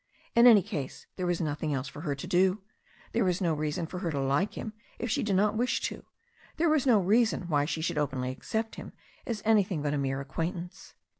In any case there was nothing else for her to do. There was no reason for her to like him if she did not wish to. There was no reason why she should openly accept him as anything but a mere acquaint ance.